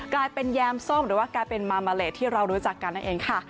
กลายเป็นแยมส้มหรือว่ากลายเป็นมามาเลที่เรารู้จักกันนั่นเองค่ะ